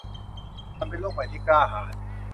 มันเป็นโลกใหม่ที่กล้าหาญ